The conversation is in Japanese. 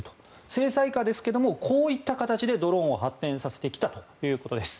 制裁下ですけれどこういった形でドローンを発展させてきたということです。